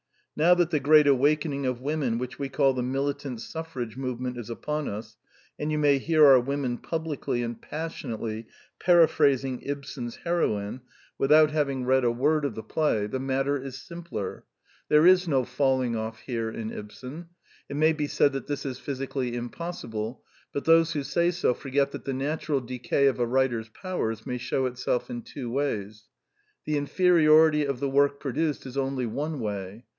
Now that the great awakening of women which we call the Militant Suffrage Movement is upon us, and you may hear our women publicly and passion ately paraphrasing Ibsen's heroine without hav 1 68 The Quintessence of Ibsenism ing read a word of the play, the matter is simpler. There is no falling off here in Ibsen. It may be said that this is physically impossible; but those who say so forget that the natural decay of a writer's powers may shew itself in two ways. The inferiority of the work produced is only one way.